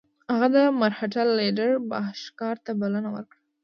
هغه د مرهټه لیډر بهاشکر ته بلنه ورکړه.